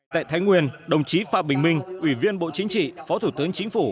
tại thái nguyên đồng chí phạm bình minh ủy viên bộ chính trị phó thủ tướng chính phủ